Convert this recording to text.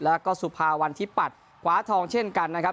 แล้วก็สุภาวัณฑิปัตรขวาทองเช่นกันนะครับ